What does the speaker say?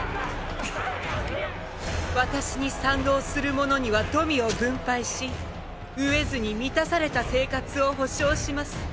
私に賛同する者には富を分配し飢えずに満たされた生活を保証します。